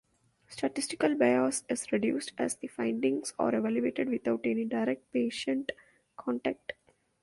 Statistical bias is reduced as the findings are evaluated without any direct patient contact.